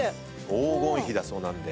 黄金比だそうなんで。